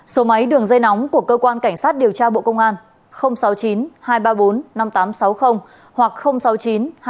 số máy đường dây nóng của cơ quan cảnh sát điều tra bộ công an sáu mươi chín hai trăm ba mươi bốn năm nghìn tám trăm sáu mươi hoặc sáu mươi chín hai trăm ba mươi hai một nghìn sáu trăm sáu mươi bảy